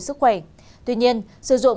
sức khỏe tuy nhiên sử dụng